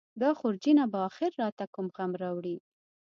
دا خورجینه به اخر راته کوم غم راوړي.